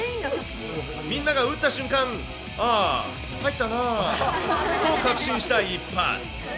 みんなが打った瞬間、ああ、入ったなあと確信した一発。